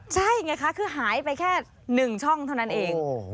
ใช่ไงคะคือหายไปแค่๑ช่องเท่านั้นเอง